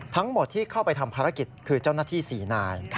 ทั้งหมดที่เข้าไปทำภารกิจคือเจ้าหน้าที่๔นาย